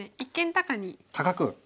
高く。